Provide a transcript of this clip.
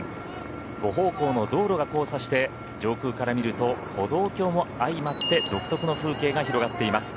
５方向の道路が交差して上空から見ると歩道橋も相まって独特の風景が広がっています。